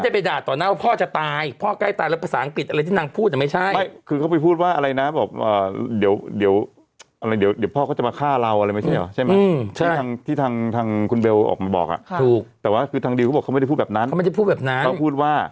ออกมาแล้วค่ะออกมาแล้วค่ะออกมาแล้วค่ะออกมาแล้วค่ะออกมาแล้วค่ะออกมาแล้วค่ะออกมาแล้วค่ะออกมาแล้วค่ะออกมาแล้วค่ะออกมาแล้วค่ะ